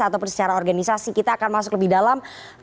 ataupun secara organisasi kita akan masuk lebih dalam